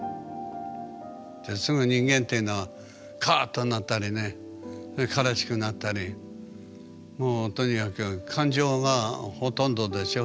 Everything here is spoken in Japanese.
すぐ人間っていうのはカーッとなったりね悲しくなったりもうとにかく感情がほとんどでしょ？